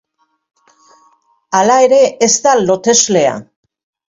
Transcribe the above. Halere, ez da loteslea.